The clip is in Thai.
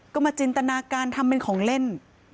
ก็มาจินตนาการทำเป็นของเล่น